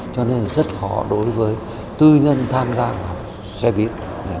cho nên rất khó đối với tư nhân tham gia vào xoay bít